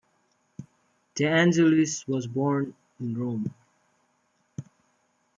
De Angelis was born in Rome.